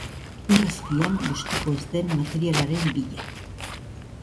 Ur azpian bustiko ez den materialaren bila.